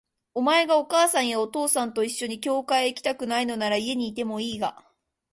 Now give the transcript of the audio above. お前がお母さんやお父さんと一緒に教会へ行きたくないのなら、家にいてもいいが、